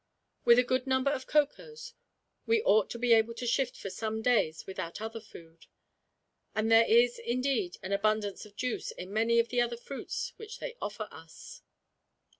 With a good number of cocoas, we ought to be able to shift for some days without other food; and there is, indeed, an abundance of juice in many of the other fruits which they offer us."